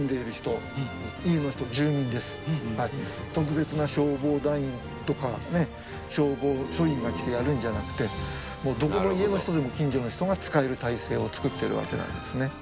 特別な消防団員とかね消防署員が来てやるんじゃなくてもうどこの家の人でも近所の人が使える体制を作ってるわけなんですね。